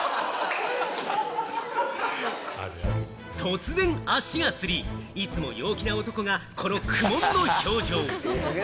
突然、足がつり、いつも陽気な男が、この苦悶の表情。